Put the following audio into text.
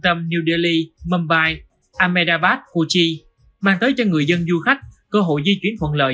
tâm new delhi mumbai ahmedabad kuching mang tới cho người dân du khách cơ hội di chuyển phận lợi